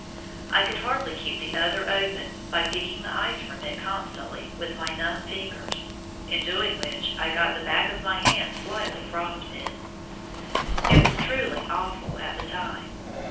I could hardly keep the other open by picking the ice from it constantly with my numb fingers, in doing which I got the back of my hand slightly frostbitten. It was truly awful at the time.